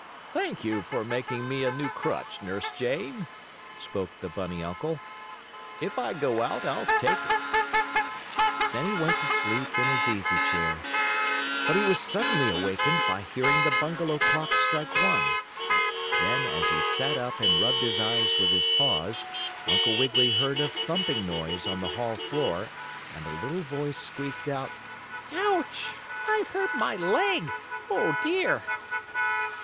"Thank you for making me a new crutch, Nurse Jane," spoke the bunny uncle. "If I go out I'll take it." Then he went to sleep in his easy chair, but he was suddenly awakened by hearing the bungalow clock strike one. Then, as he sat up and rubbed his eyes with his paws, Uncle Wiggily heard a thumping noise on the hall floor and a little voice squeaked out: "Ouch! I've hurt my leg! Oh, dear!"